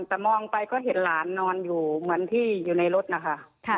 แต่มองไปก็เห็นหลานนอนอยู่เหมือนที่อยู่ในรถนะคะ